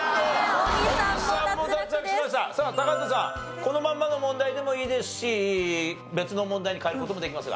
さあ高畑さんこのままの問題でもいいですし別の問題に変える事もできますが。